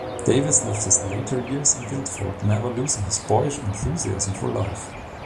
Davis lived his later years in Guildford, never losing his boyish enthusiasm for life.